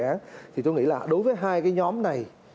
dự án thì tôi nghĩ là đối với hai cái nhóm này